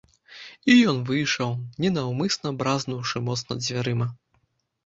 І ён выйшаў, ненаўмысна бразнуўшы моцна дзвярыма.